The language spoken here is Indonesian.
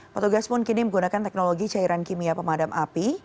petugas pun kini menggunakan teknologi cairan kimia pemadam api